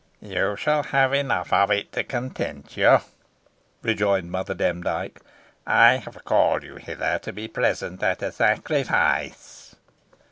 "You shall have enough of it to content you," rejoined Mother Demdike. "I have called you hither to be present at a sacrifice."